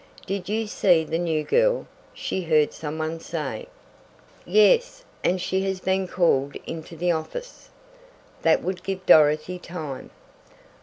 "Did you see the new girl?" she heard some one say. "Yes, and she has been called into the office!" That would give Dorothy time!